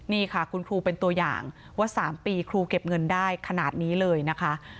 นี่ค่ะคุณครูเป็นตัวอย่างว่า๓ปีครูเก็บเงินได้ขนาดนี้เลยนะคะ